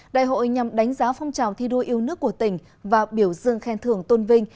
đại hội nhằm đánh giá phong trào thi đua yêu nước của tỉnh và biểu dương khen thưởng tôn vinh